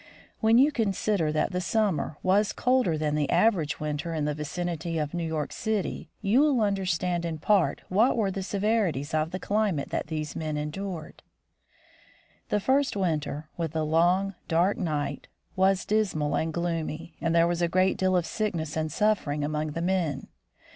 When you consider that the summer was colder than the average winter in the vicinity of New York City, you will understand in part what were the severities of the climate that these men endured. The first winter, with the long, dark night, was dismal and gloomy, and there was a great deal of sickness and suffering among the men.